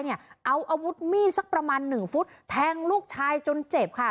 เอาอาวุธมีดสักประมาณหนึ่งฟุตแทงลูกชายจนเจ็บค่ะ